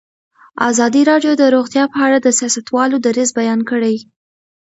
ازادي راډیو د روغتیا په اړه د سیاستوالو دریځ بیان کړی.